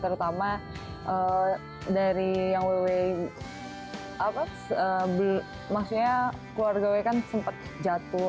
terutama dari yang woywita maksudnya keluarga woywita kan sempat jatuh